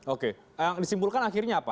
oke disimpulkan akhirnya apa